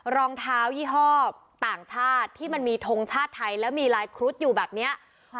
รองเท้ายี่ห้อต่างชาติที่มันมีทงชาติไทยแล้วมีลายครุฑอยู่แบบเนี้ยค่ะ